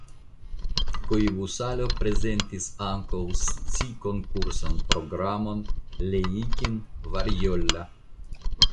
Koivusalo prezentis ankaŭ scikonkursan programon "Leikin varjolla".